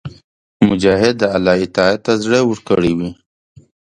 مجاهد د الله اطاعت ته زړه ورکړی وي.